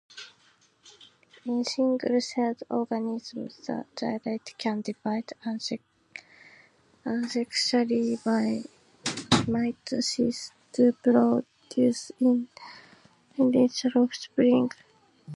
In single-celled organisms, the zygote can divide asexually by mitosis to produce identical offspring.